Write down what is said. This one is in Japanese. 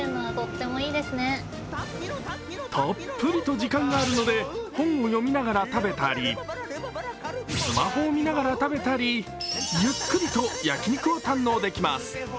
たっぷりと時間があるので本を読みながら食べたりスマホを見ながら食べたり、ゆっくりと焼肉を堪能できます。